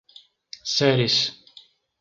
Ceres